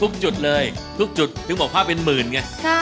จุดเลยทุกจุดถึงบอกว่าเป็นหมื่นไง